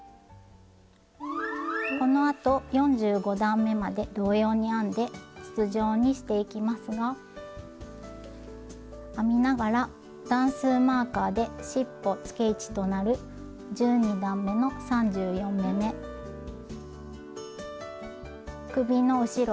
このあと４５段めまで同様に編んで筒状にしていきますが編みながら段数マーカーでしっぽつけ位置となる１２段めの３４目め首の後ろ